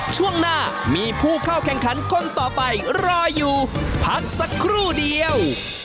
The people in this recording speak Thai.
ช่วงหน้ามีผู้เข้าแข่งขันคนต่อไปรออยู่พักสักครู่เดียว